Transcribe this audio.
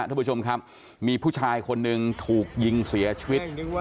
ท่านผู้ชมครับมีผู้ชายคนหนึ่งถูกยิงเสียชีวิต